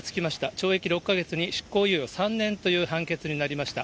懲役６か月に執行猶予３年という判決になりました。